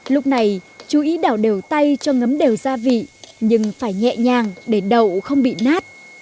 lúc này chú ý đào đều tay cho ngấm đều gia vị nhưng phải nhẹ nhàng để đậu không bị nát